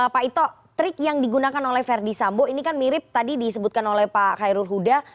pak ito trik yang digunakan oleh verdi sambo ini kan mirip tadi disebutkan oleh pak khairul huda